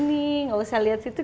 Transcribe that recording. tidak usah lihat situ